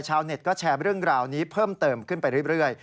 ชาวเน็ตก็แชร์เรื่องราวนี้เพิ่มเติมขึ้นไปเรื่อย